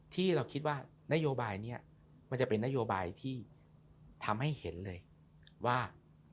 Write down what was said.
ที่เราคิดว่านโยบายนี้มันจะเป็นนโยบายที่ทำให้เห็นเลยว่า